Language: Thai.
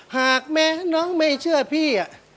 หากแม้น้องไม่เชื่อพี่